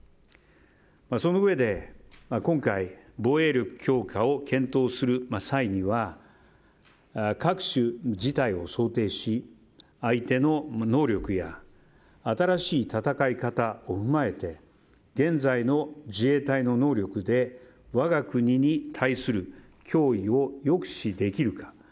そのうえで今回防衛力強化を検討する際には各種事態を想定し、相手の能力や新しい戦い方を踏まえて現在の自衛隊の能力で我が国に対する脅威を抑止できるか。